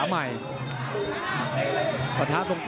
พันธะตรง